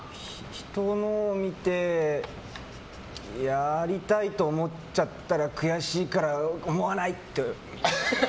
人のを見て、やりたいと思っちゃったら悔しいから思わない！って。